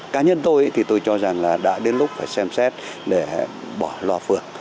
cá nhân tôi thì tôi cho rằng là đã đến lúc phải xem xét để bỏ loa phược